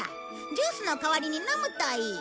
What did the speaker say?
ジュースの代わりに飲むといい。